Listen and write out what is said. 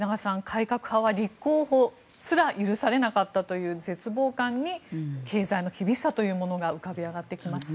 改革派は立候補すら許されなかったという絶望感に経済の厳しさというものが浮かび上がってきます。